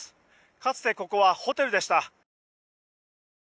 かつてここはホテルでした。